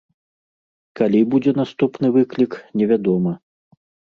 Калі будзе наступны выклік, невядома.